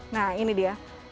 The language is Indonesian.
nah ini dia